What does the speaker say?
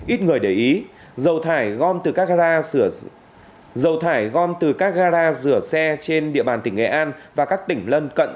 ít người để ý dầu thải gom từ các gara rửa xe trên địa bàn tỉnh nghệ an và các tỉnh lân cận